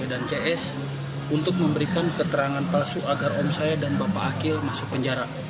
bapak novel baswe dan cs untuk memberikan keterangan palsu agar om saya dan bapak akil masuk penjara